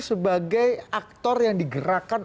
sebagai aktor yang digerakkan